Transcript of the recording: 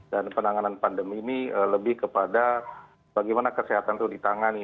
dan penanganan pandemi ini lebih kepada bagaimana kesehatan itu ditangani